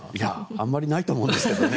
あまりないと思うんですけどね。